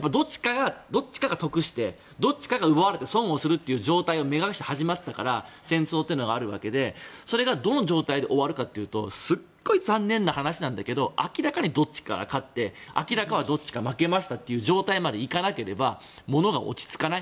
どっちかが得してどっちかが奪われて損をするという状態を目指して始まったから戦争があるわけでそれがどの状態で終わるかというとすごく残念だけど明らかにどちらかが勝ってどちらかが負けるという状態までいかなければものが落ち着かない。